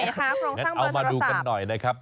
ขอดูหน่อยนะคะโครงสร้างเบอร์โทรศัพท์